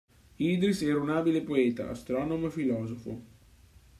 Idris era un abile poeta, astronomo e filosofo.